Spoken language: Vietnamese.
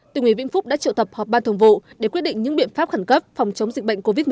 tỉnh ủy vĩnh phúc đã triệu tập họp ban thường vụ để quyết định những biện pháp khẩn cấp phòng chống dịch bệnh covid một mươi chín